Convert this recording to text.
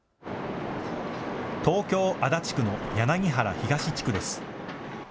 東京・足立区の柳原東地区です。